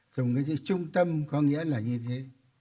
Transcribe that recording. dùng cái chữ trung tâm có nghĩa là như thế